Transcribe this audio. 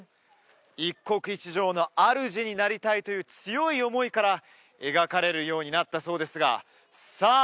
一国一城の主になりたいという強い思いから描かれるようになったそうですがさあ